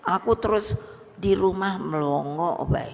aku terus di rumah melongok